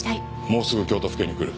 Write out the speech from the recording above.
もうすぐ京都府警に来る。